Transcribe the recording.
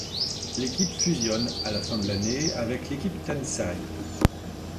L'équipe fusionne à la fin de l'année avec l'équipe Tensai.